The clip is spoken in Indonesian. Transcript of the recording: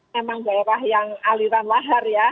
memang daerah yang aliran lahar ya